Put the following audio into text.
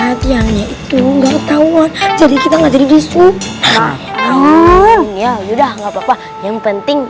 ustadz yang itu enggak tahu jadi kita enggak jadi disuruh ya udah nggak apa apa yang penting